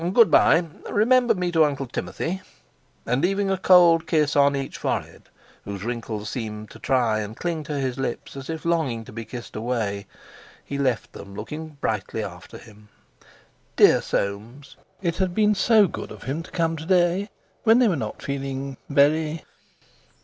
Good bye. Remember me to Uncle Timothy!" And, leaving a cold kiss on each forehead, whose wrinkles seemed to try and cling to his lips as if longing to be kissed away, he left them looking brightly after him—dear Soames, it had been so good of him to come to day, when they were not feeling very...!